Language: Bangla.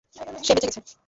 সে বেঁচে গেছে।